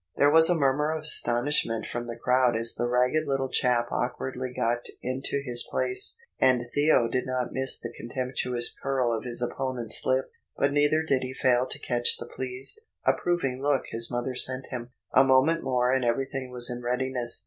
There was a murmur of astonishment from the crowd as the ragged little chap awkwardly got into his place, and Theo did not miss the contemptuous curl of his opponent's lip, but neither did he fail to catch the pleased, approving look his mother sent him. A moment more and everything was in readiness.